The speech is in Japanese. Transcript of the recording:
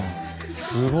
すごい。